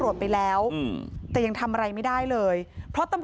ช่องบ้านต้องช่วยแจ้งเจ้าหน้าที่เพราะว่าโดนฟันแผลเวิกวะค่ะ